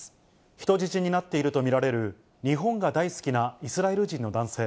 人質になっていると見られる日本が大好きなイスラエル人の男性。